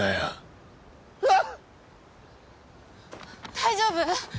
大丈夫？